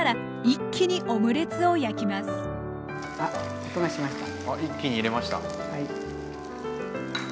一気に入れました。